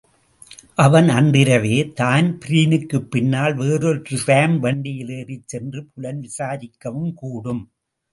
அவன் அன்றிரவே தான்பிரீனுக்குப் பின்னால் வேறொரு டிராம் வண்டியிலேறிச் சென்று புலன் விசாரிக்கவுங்கூடும்.